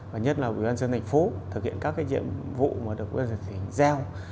và nhất là văn dân thành phố thực hiện các nhiệm vụ mà được văn dân tỉnh giao